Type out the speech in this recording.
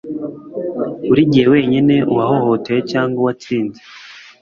Buri gihe wenyine uwahohotewe cyangwa uwatsinze